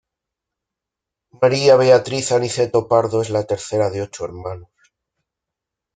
María Beatriz Aniceto Pardo es la tercera de ocho hermanos.